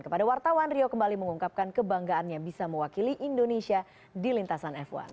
kepada wartawan rio kembali mengungkapkan kebanggaannya bisa mewakili indonesia di lintasan f satu